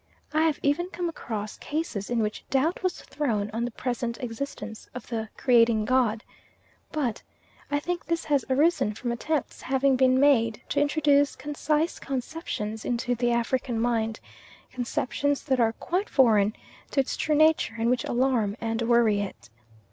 I have even come across cases in which doubt was thrown on the present existence of the Creating God, but I think this has arisen from attempts having been made to introduce concise conceptions into the African mind, conceptions that are quite foreign to its true nature and which alarm and worry it.